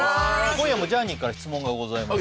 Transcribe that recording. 今夜もジャーニーから質問がございます